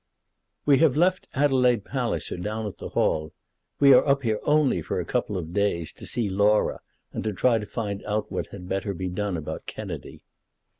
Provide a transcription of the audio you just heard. "We have left Adelaide Palliser down at the Hall. We are up here only for a couple of days to see Laura, and try to find out what had better be done about Kennedy."